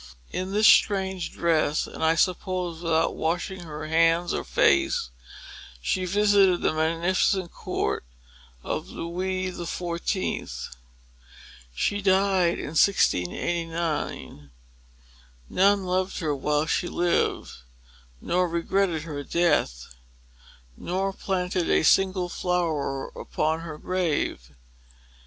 In this strange dress, and, I suppose, without washing her hands or face, she visited the magnificent court of Louis the Fourteenth. She died in 1689. None loved her while she lived, nor regretted her death, nor planted a single flower upon her grave.